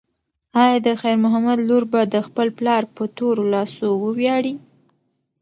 ایا د خیر محمد لور به د خپل پلار په تورو لاسو وویاړي؟